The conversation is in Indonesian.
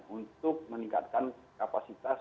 untuk meningkatkan kapasitas